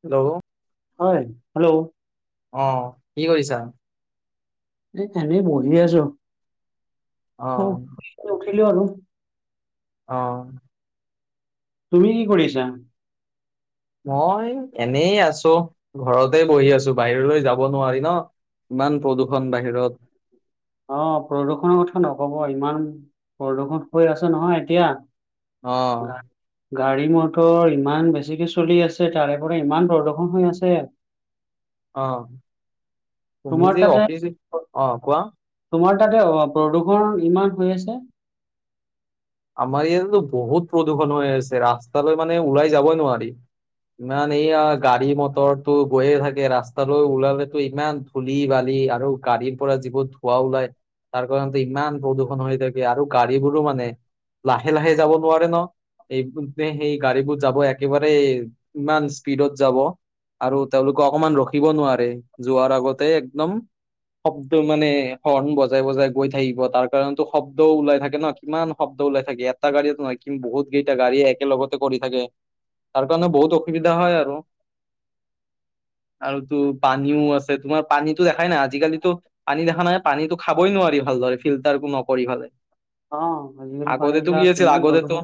Hello, হয়। Hello, অ' কি কৰিছা? এনে বহি আছো। অ কল আৰু-আৰু অ', তুমি কি কৰিছা? মই এনে আছো ঘৰতে বহি আছো বাহিৰলৈ যাব নোৱাৰি ন। ইমান প্ৰদূৰ্ষণ বাহিৰত। অ' প্ৰদূৰ্ষণৰ কথা নকব ইমান প্ৰদূৰ্ষণ হৈ আছে নহয় এতিয়া। অ', গা গাড়ী মটৰ ইমান বেছিকে চলি আছে তাৰে পৰা ইমান প্ৰদৰ্শন হৈ আছে। অ' তুমি তোমাৰ যে তাতে অফিচ অ' কোৱা? তোমাৰ তাতে অ প্ৰদূৰ্ষণ ইমান হৈ আছে। আমাৰ ইয়য়াাততো বহুত প্ৰদূষণ হৈ আছে ৰাস্তালৈ মানে ওলাই যাবই নোৱাৰি। ইমান এইয়া গাড়ী মটৰটো গৈয়ে থাকে ৰাস্তালৈ ওলালেো ইমান ধূলি বালি। আৰু গাড়ীৰ পৰা যিবোৰ ধৱা ওলাই। তাৰ কাৰণ ইমান প্ৰদূষণ হৈ থাকে আৰু গাড়ীবোৰো মানে লাহে লাহে যাব নোৱাৰে ন। এই সেই গাড়ীবোৰ যাব একেবাৰে ইমান স্পীডত যাব। আৰু তেওঁলোকে অকমান ৰখিব নোৱাৰে যোৱাৰ আগতে একদম। শব্দ মানে হৰ্ণ বজাই বজাই গৈ থাকিব তাৰ কাৰণতো শব্দও ওলাই থাকে ন কিমান। শব্দ ওলাই থাকে এটা গাড়ীত নহ কিন্তু বহুত কেইটা গাড়ীয়ে একেলগতে কৰি থাকে। তাৰ কাৰণে বহুত অসুবিধা হয় আৰু। আৰু তো পানীও আছে তোমাৰ পানীতো দেখাই নাই আজিকালিতো পানী দেখা নাই পানীতো। খাবই নোৱাৰি ভালদৰে ফিল্টাৰো নকৰি ভালে। অ', আজিকালি পানী আগতেতো বিলাক গিয়ছিল ইমান আগতেতো প্ৰদূষণ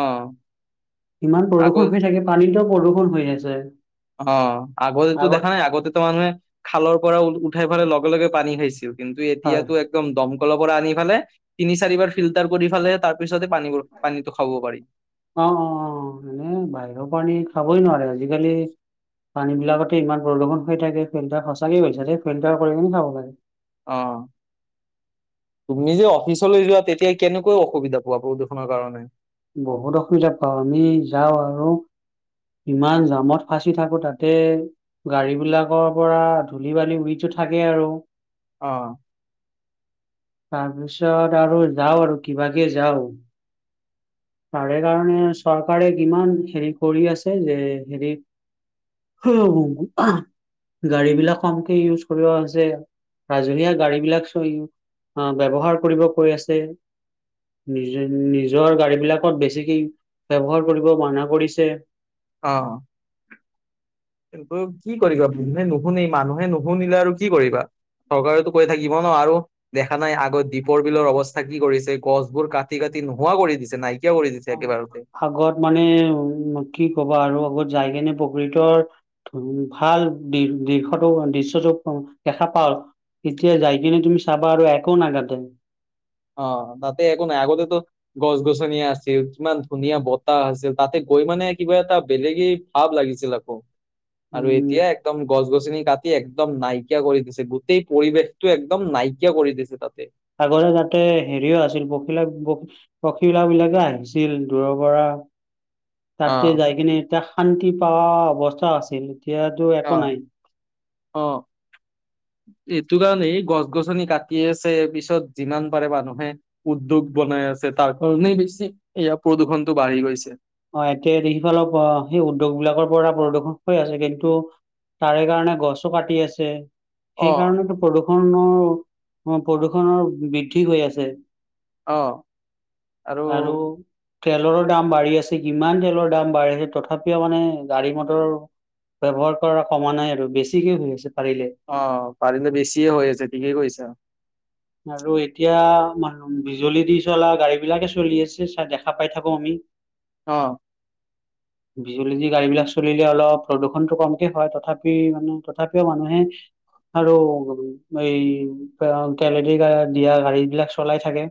অ', ইমান প্ৰদূষণ আগত হৈ থাকে পানীত প্ৰদূষণ হৈ আছে। অ' আগতেতো আগত দেখা নাই আগতেতো মানুহে। খালৰ পৰা উঠাই ফালে লগে লগে পানী খাইছিল কিন্তু হয়। এতিয়াাতো একদম দম। ৰ পৰা আনি ফালে তিনি চাৰিবাৰ ফিল্টাৰ কৰি ফালে তাৰ পিছত। অ-অ-অ এনে বাহিৰৰ পানী খাবই নোৱাৰে। আজিকালি পানী বিলাকতে ইমান প্ৰদূষণ হৈ থাকে ফিল্টাৰ সঁচাকে হৈছে যে ফিল্টাৰ কৰি খাব লাগে। অ', তুমি যে অফিচলৈ যোৱা তেতিয়া কেনেকৈ অসুবিধা পোৱা প্ৰদূষণৰ কাৰণে। বহুত অসুবিধা পাওঁ আমি যাওঁ আৰু। ইমান জামত ফাঁচি থাকো তাতে গাড়ী বিলাকৰ পৰা ধূলি বালি উৰি। থাকে আৰু। অ', তাৰপিছত আৰু যাও আৰু কিবাকে যাও। তাৰে কাৰণে চৰকাৰে কিমান হেৰি কৰি আছে যে হেৰি। গাড়ী বিলাক কমকে ইউজ কৰিব হৈছে। ৰাজহুৱীয়া গাড়ী বিলাক চ ব্যৱহাৰ কৰিব কৈ আছে। নিজ নিজৰ গাড়ী বিলাকত বেছিক ব্যৱহাৰ কৰিব মানা কৰিছে। অ', কিন্তু কি কৰিবা মানুহে নুশুনে মানুহে নুশুনিলে আৰু কি কৰিবা। চৰকাৰতো কৈ থাকিব ন আৰু দেখা নাই আগত দ্বীপৰ বিলৰ অৱস্থা কি কৰিছে গছবোৰ কাটি কাট নোহোৱা কৰি দিছে নাই অ আগত মানে উম কি ক'বা আৰু আগত [unintelligible] এতিয়া যাই কিনে তুমি চাবা আৰু একো নাগাদতে। অ তাতে একো নাই, আগতেতো গছ-গছনি আছিল কিমান ধুনীয়া বতাহ আছিল তাতে কৈ মানে কিবা এটা বেলেগে ভাৱ লাগিছিল আকৌ আৰু উম এতিয়া একদম গছ গছনি কাটি একদম নাইকিয়া কৰি দিছে গোটেই পৰিৱেশটো একদম নাইকিয়া কৰি দিছে তাতে। আগতে যাতে হেৰিও আছিল পখিলা পখিলা বিলাকে আহিছিল দূৰৰ পৰা অ তাতে যাই কিনে এতিয়া শান্তি পাৱা অৱস্থা আছিল। এতিয়াটো অ একো নাই। অ এইটো কাৰণে এই গছ গছনি কাটি আছে পিছত যিমান পাৰে মানুহে উদ্যোগ বনাই ছে তাৰ কাৰণেই বেছি এতিয়া প্ৰদূষণতটো বাঢ়ি গৈছে। অ এতিয়া [unintelligible] অ সেই উদ্যোগ বিলাকৰ পৰা পৰিদৰ্শন হৈ আছে কিন্তু তাৰে কাৰণে গছো কাটি আছে। অ সেইকাৰণেতো প্ৰদূষণৰ প্ৰদূষণৰ বৃদ্ধি হৈ আছে্ অ আৰু তেলৰ দাম বাঢ়ি আছে কিমান তেলৰ দাম বাঢ়ি আছে তথাপিও মানে গাড়ী মটৰৰ ব্যৱহাৰ কৰা কমা নাই আৰু বেছিকে হৈ আছে। পাৰিলে অ পাৰিলে বেছিয়ে হৈ আছে ঠিকেই কৈছা। আৰু এতিয়া মান বিজুলী দি চলা গাড়ী বিলাকে চলি আছে চাই দেখা পাই থাকো আমি। অ বিজুলী দি গাড়ী বিলাক চলিলে অলপ প্ৰদূষণতটো কমকে হয় তথাপি মানে তথাপিও মানুহে আৰু এই তেলে দি দিয়া গাড়ী বিলাক চলাই থাকে।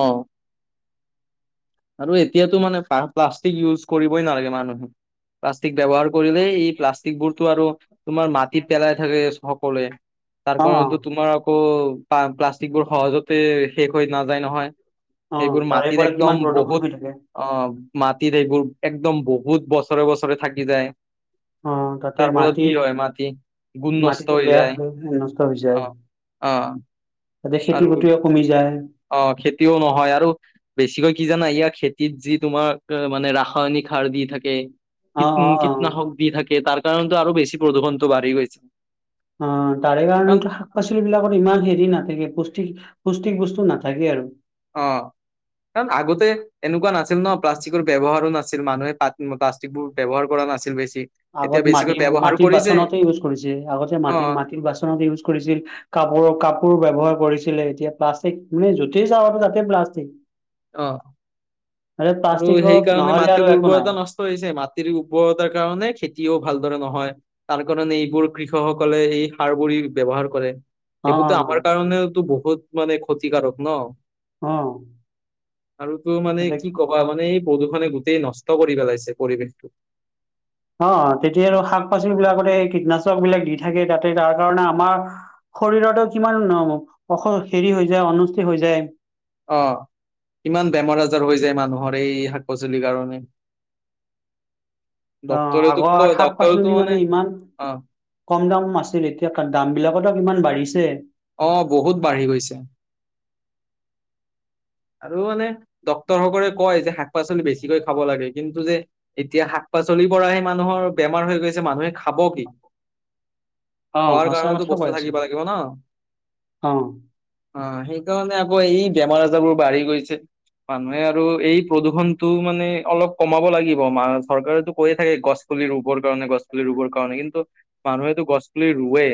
অহ আৰু এতিয়াতো মানে প্লাষ্টিক ইউজ কৰিবই নালাগে মানুহে, প্লাষ্টিক ব্যৱহাৰ কৰিলেই ই প্লাষ্টিক বোৰতো আৰু তোমাৰ মাটিত পেলাই থাকে সকলোৱে তাৰ অ কাৰণেটো তোমাৰ আকৌ, পা প্লাষ্টিকবোৰ সহজতে শেষ হৈ নাযায় নহয়, অ সেইবোৰ তাৰে মাটিত পৰা একদম কিমান প্ৰদূষণ ক'ত, হৈ থাকে অ মাটিত এইবোৰ একদম বহুত বছৰে বছৰে থাকি যায়। অ তাতে তাৰফলত কি মাটিত হয় মাটি গুণ মাটিটো নষ্ট হৈ বেয়া যায়। হৈ নষ্ট হৈ যায় অহ অহ তাতে খেতি বাতিও কমি যায়। অহ খেতিও নহয় আৰু বেছিকৈ কি জানা ইয়াৰ খেতিত যি তোমাৰ মানে ৰাসায়নিক সাৰ আৰু দি থাকে, অ অ অ কীটনাশক দি থাকে, তাৰ কাৰণেতো আৰু বেছি প্ৰদূষণটো বাঢ়ি গৈছে। অ তাৰে কাৰণ কাৰণেটো শাক পাচলি বিলাকত ইমান হেৰি নাথাকে, পুষ্টিক পুষ্টিক বস্তু নাথাকে আৰু অহ, তাৰ আগতে এনেকুৱা নাছিল। নহ প্লাষ্টিকৰ ব্যৱহাৰো নাছিল, মানুহে প্লাষ্টিকবোৰ ব্যৱহাৰ কৰা নাছিল, বেছি এতিয়া আগত বেছিকৈ মাটি ব্যৱহাৰ মাটিৰ কৰিছে বাচনতে ইউজ কৰিছিল, আগতে অ মাটি মাটিৰ বাচনতে ইউজ কৰিছিল কা কাপোৰ ব্যৱহাৰ কৰিছিলে, এতিয়া প্লাষ্টিক মানে যতেই যাওঁ আৰু তাতে প্লাষ্টিক অ তাতে আৰু প্লাষ্টিকক সেইকাৰণে নহ'লে আৰু মাটিৰ একো নাই উৰ্বৰতা নষ্ট হৈছে মা মাটিৰ উৰ্বৰতাৰ কাৰণে খেতিও ভালদৰে নহয়, তাৰ কাৰণে এইবোৰ কৃষকসকলে এই সাৰবোৰী ব্যৱহাৰ কৰে, অ এইবোৰটো আমাৰ কাৰণেতো বহুত মানে ক্ষতিকাৰক নহ অহ আৰু তোৰ মানে কি কবা মানে এই প্ৰদূষণে গোটেই নষ্ট কৰি পেলাইছে, পৰিৱেশটো অ তেতিয়া আৰু শাক পাচলি বিলাকতে এই কীটনাশক বিলাক দি থাকে তাতে তাৰ কাৰণে আমাৰ শৰীৰতো কিমান [unintelligible] হেৰি হৈ যায় অনষ্টি হৈ যায় অ ইমান বেমাৰ আজাৰ হৈ যায় মানুহৰ এই শাক পাচলিৰ কাৰণে [inaudible] অ ডক্তৰেতো ক আগৰ শাক ডক্তৰেতো পাচলি মানে ইমান অ কম দাম আছিল এতিয়া দাম বিলাকতো কিমান বাঢ়িছে অ' বহুত বাঢ়ি গৈছে আৰু মানে ডক্তৰসকলে কয় যে শাক পাচলি বেছিকৈ খাব লাগে কিন্তু যে এতিয়া শাক পাচলি পৰা সি মানুহৰ বেমাৰ হৈ গৈছে মানুহে খাব কি অ খোৱাৰ সঁচা কাৰণতো কথা বস্তু কৈ আছো থাকিব লাগিব ন অ অ সেইকাৰনে আকৌ এই বেমাৰ আজাৰ বোৰ বাঢ়ি গৈছে মানুহে আৰু এই প্ৰদূষণটো মানে অলপ কমাব লাগিব মা চৰকাৰেতো কৈয়ে থাকে গছ পুলি ৰুবৰ কাৰণে গছ পুলি ৰুবৰ কাৰণে কিন্তু মানুহেতো গছ পুলি ৰুৱে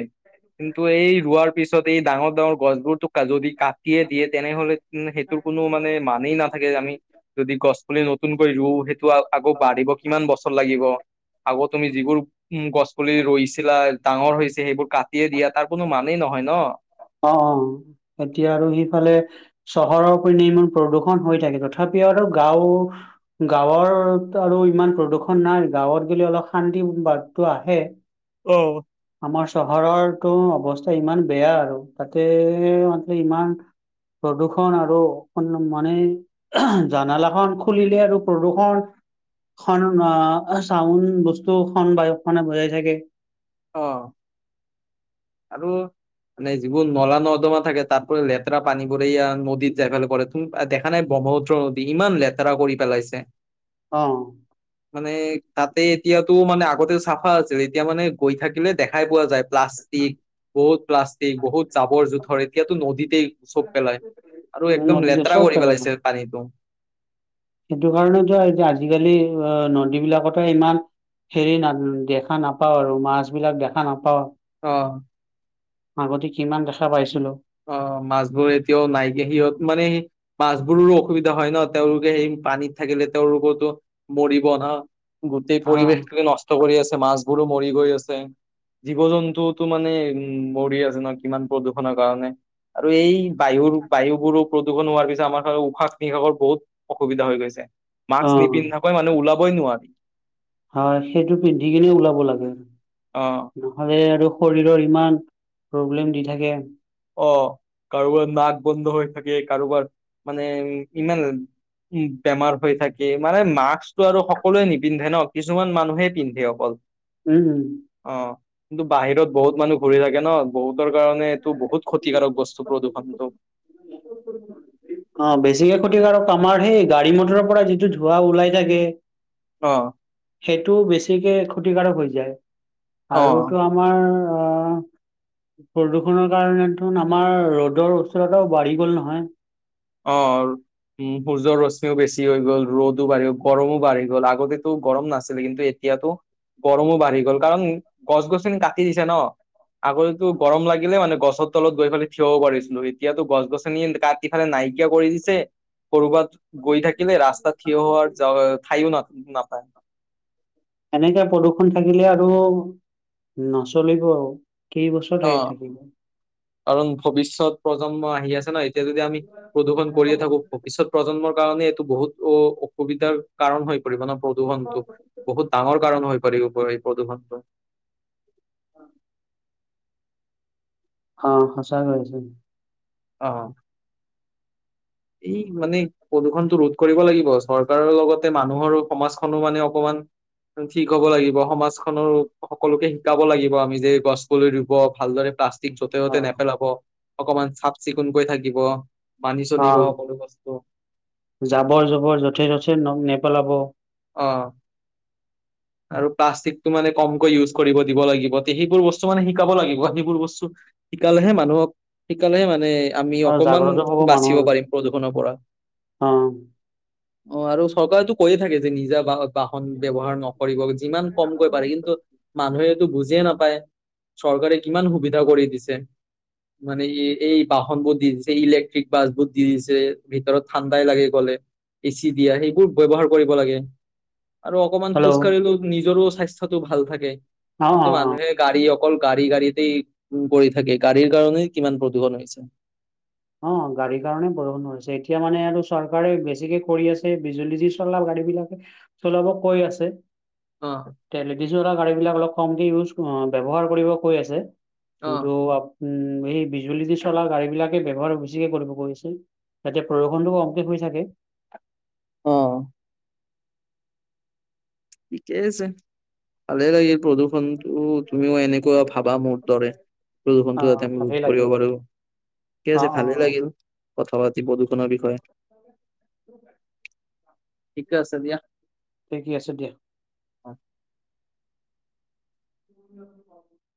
কিন্তু এই ৰোৱাৰ পিছত এই ডাঙৰ ডাঙৰ গছবোৰতো যদি কাটিয়ে দিয়ে তেনেহলে সেইটোৰ কোনো মানে মানেই নাথাকে আমি যদি গছ পুলি নতুনকৈ ৰুও সেইটো আকৌ বাঢ়িব কিমান বছৰ লাগিব আকৌ তুমি যিবোৰ উ গছ পুলি ৰৈছিলা ডাঙৰ হৈ হৈছে সেইবোৰ কাটিয়ে দিয়া তাৰ কোনো মানেই নহয় ন অ অ এতিয়া আৰু সিফালে চহৰৰ উপ ইমান প্ৰদূষণ হৈ থাকে তথাপিও আৰু গাঁও গাঁৱত আৰু ইমান প্ৰদূষণ নাই গাঁৱত গ'লে অলপ শান্তি বাতটো আহে অ আমাৰ চহৰৰতো অৱস্থা ইমান বেয়া আৰু তাকে [unintelligible] ইমান প্ৰদূষণ আৰু মানে জানালাখন খুলিলে আৰু প্ৰদূষণ খনন চাউন বস্তু খন বায়ু খনে বজাই থাকে অ আৰু মানে যিবোৰ নলা নৰ্দমা থাকে তাৰ পৰা লেতেৰা পানীবোৰ এইয়া নদীত যাই ফালে পৰে দেখা নাই ব্ৰহ্মপুত্ৰ নদী ইমান লেতেৰা কৰি পেলাইছে অ মানে তাতে এতিয়াতো মানে আগতে চাফা আছিল এতিয়া মানে গৈ থাকিলে দেখাই পোৱা যায় প্লাষ্টিক বহুত প্লাষ্টিক বহুত জাবৰ জোঁথৰ এতিয়াতো নদীতেই চব পেলায় আৰু একদম নদীতে লেতেৰা চব কৰি পেলাই ন, পেলাইছে পানীটো সেইটো কাৰণেতো এতিয়া আজিকালি নদীবিলাকতে ইমান হেৰি ন দেখা নাপাওঁ আৰু মাছ বিলাক দেখা নাপাওঁ অ আগতে কিমান দেখা পাইছিলো অ মাছবোৰ এতিয়াও নাইকিয়া সিহঁত মানে সি মাছবোৰৰো অসুবিধা হয় ন তেওঁলোকে সেই পানীত থাকিলে তেওঁলোকেতো মৰিব না গোটেই অ পৰিৱেশ টোকে নষ্ট কৰি আছে মাছবোৰো মৰি গৈ আছে জীৱ জন্তুতো মানে উম মৰি আছে ন কিমান প্ৰদূষণৰ কাৰণে আৰু এই বায়ুৰ বায়ু বোৰো প্ৰদূষণ হোৱাৰ পিছত আমাৰ ফালেও উশাহ নিশাহৰ বহুত অসুবিধা হৈ গৈছে মাস্ক অ নিপিন্ধাক মানুহ ওলাবই নোৱাৰি হয় সেইটো পিন্ধি কিনে ওলাব লাগে অ নহলে আৰু শৰীৰৰ ইমান প্ৰব্লেম দি থাকে অ কাৰোবাৰ নাক বন্ধ হৈ থাকে কাৰোবাৰ মানে ইমান উম বেমাৰ হৈ থাকে মানে মাস্কটো আৰু সকলোৱে নিপিন্ধে ন কিছুমান মানুহে পিন্ধে অকল উম। অ কিন্তু বাহিৰত বহুত মানুহ ঘূৰি থাকে ন বহুতৰ কাৰণে এইটো বহুত। [unintelligible] অঁ, বেছিকে ক্ষতিকাৰক আমাৰ সেই গাড়ী মটৰৰ পৰা যিটো ধোঁৱা ওলাই থাকে। অ সেইটো বেছিকে ক্ষতিকাৰক হৈ যায়। অ আৰুতো আমাৰ আহ [unintelligible] প্ৰদূষণৰ কাৰণেত আমাৰ ৰ'দৰ উচ্ততাতাও বাঢ়ি গ'ল নহয়। অ', উম, সূৰ্যৰ ৰশ্মিও বেছি হৈ গ'ল ৰ'দো বাঢ়ি গল গৰমো বাঢ়ি গ'ল আগতেতো গৰম নাছিলে কিন্তু এতিয়াতো গৰমো বাঢ়ি গ'ল কাৰণ গছ গছিনি কাটি দিছে ন। আগতেতো গৰম লাগিলে মানে গছৰ তলত গৈ পেলি থিয়ব পাৰিছিলো এতিয়াতো গছ গছনি কাটি। ফালে নাইকিয় কৰি দিছে কৰবাত। গৈ থাকিলে ৰাস্তা থিয় হোৱাৰ ঠাইও ন নাপায়। এনেকে প্ৰদূৰষণ থাকিলে আৰু নচলিব আৰু কেইবছৰ থাকি অ' থাকিব কাৰণ ভৱিষ্যয়ত প্ৰজন্ম আহি আছে ন। তিয়া যদি আমি প্ৰদূষণ কৰিয়ে থাকো ভৱিষ্যত প্ৰজন্মৰ কাৰণে এইটো বহুত অ অসুবিধাৰ। কাৰণ হৈ পৰিবানে প্ৰদূষণটো বহুত ডাঙৰ কাৰণ হৈ পৰিব। প্ৰটিঘণ্টা উ অ', সচা গৈছে অ', এই মানে প্ৰদূষণটো ৰোধ কৰিব লাগিব চৰকাৰৰ লগতে মানুহৰো সমাজখনো মানে অকমান ঠিক হ'ব লাগিব সমাজখননৰ সকলোকে শিকাব লাগিব আমি যে গছ গলৈ ৰুব ভালদৰে প্লাষ্টিক। অ যতে-যতে নেপেলাব অকমান চাফ চিকুণকৈ থাকিব। মানি অ চলিব বস্তু জাবৰ জবৰ যথে যথে ন নেপেলাব। অ', আৰু প্লাষ্টিকটো মানে কমকৈ ইউজ কৰিব দিব লাগিব সেইবোৰ বস্তু মানে শিকাব লাগিব সেইবোৰ বস্তু। শিকালেহে মানুহক শিকালেহে মানে আমি আৰু অকমান জাগ্ৰত হ'ব মানুহৰ বাচিব পাৰিম প্ৰদূষণৰ পৰা। অ', অ' আৰু চৰকাৰেো কৰিয় থাকে যে নিজা বা। বাহন ব্যৱহাৰ নকৰিব যিমান কমকৈ পাৰে কিন্তু মানুহে বুজিয়ে নাপায় চৰকাৰে কিমান সুবিধা কৰি দিছে। মানে ই এই বাহন বোৰ দি দিছে ইলেক্ট্ৰিক বাছ বোৰ দি দিছে ভিতৰত ঠাণ্ডাই লাগে গলে। এচি দিয়া সেইবোৰ ব ব্যৱহাৰ কৰিব লাগে। আৰু অকমান হেল্ল' খোজ অ কাঢ়িলেও নিজৰো স্বাস্থ্যতো ভাল থাকে। অ কিন্তু অ মানুহে গাড়ী অ', অকল গাড়ী গাড়ীতেই উ কৰি থাকে গাড়ীৰ কাৰণে কিমান প্ৰদূষণ হৈছে। অ গাড়ীৰ কাৰণে বৰষুণছে এতিয়া মানে আৰু চৰকাৰে বেছিকে কৰি আছে বিজুলী যি চলাব গাড়ী। বিলাকে চলাব কৈ আছে। অ', তে গাড়ী বিলাক অলপ কমক ইজ ব্য্ৱহাৰ কৰিব কৈ আছে। কিন্তু অ'। আমি, সেই বিজুলী দি চলা গাড়ী বিলাক ব্যৱহাৰ বেছিকে কৰিব গৈছে, যাতে প্ৰদূষনটো কমকে হৈ থাকে। অ। ঠিকে আছে। ভালে লাগিল প্ৰদু ত' তুমিও এনেকুৱা ভাবা মোৰ দৰে, অ প্ৰদূষনটো যাতে আমি ৰোধ ভালেই লাগিল কৰিব পাৰো। ঠিকে অ আছে অ ভালেই অ লাগিল, কথা পাতি প্ৰদূষণৰ বিষয়ে। ঠিকে আছে ঠিকে আছে দিয়া। হয়। [inaudible]